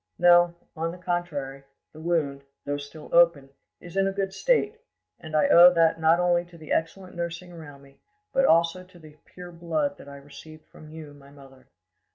No, an the contrary, the wound, though still open, is in a good state; and I owe that not only to the excellent nursing around me, but also to the pure blood that I received from you, my mother.